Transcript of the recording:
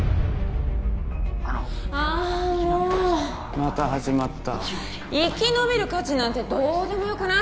また始まった生き延びる価値なんてどうでもよくない？